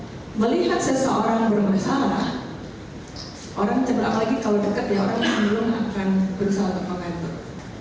jika melihat seseorang bermasalah orang cemerlang lagi kalau dekat ya orang yang belum akan berusaha untuk mengantuk